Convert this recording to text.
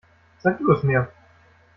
Sag du es mir.